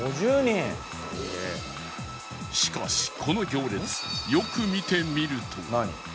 しかしこの行列よく見てみると